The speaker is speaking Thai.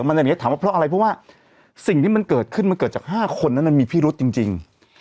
อะไรอย่างนี้ถามว่าเพราะอะไรเพราะว่าสิ่งที่มันเกิดขึ้นมันเกิดจาก๕คนนั้นมันมีพิรุษจริง